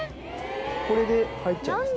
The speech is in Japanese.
これで入っちゃいます。